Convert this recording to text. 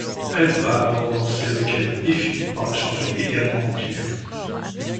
Elle va alors danser avec elle et finit par la changer également en pierre.